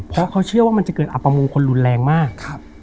เพราะเขาเชื่อว่ามันจะเกิดอัปมงคลรุนแรงมาก